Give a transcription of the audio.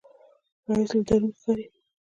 ښایست له درون ښکاري